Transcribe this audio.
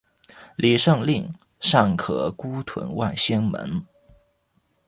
李晟令尚可孤屯望仙门。